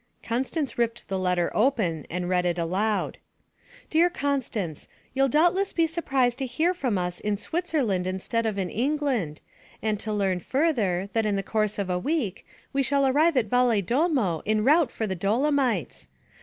Constance ripped the letter open and read it aloud. 'DEAR CONSTANCE: You'll doubtless be surprised to hear from us in Switzerland instead of in England, and to learn further, that in the course of a week, we shall arrive at Valedolmo en route for the Dolomites.